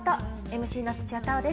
ＭＣの土屋太鳳です。